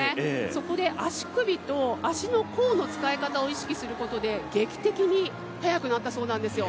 そこで足首と足の甲の使い方を意識することで劇的に速くなったそうなんですよ。